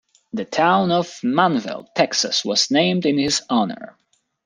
The town of Manvel, Texas, was named in his honor.